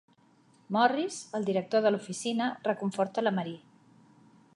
Morris, el director de l'oficina, reconforta la Marie.